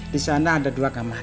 disana ada dua kamar